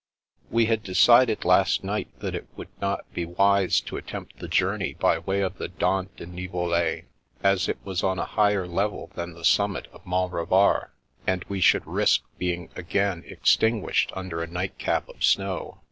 We had decided last night that it would not be wise to attempt the journey by way of the Dent du Nivolets, as it was on a higher level than the summit of Mont Revard, and we should risk being again extinguished under a nightcap of snow.